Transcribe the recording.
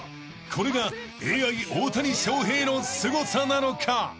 ［これがＡＩ大谷翔平のすごさなのか！？］